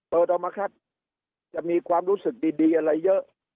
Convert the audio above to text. เปิดออกมาครับจะมีความรู้สึกดีอะไรเยอะ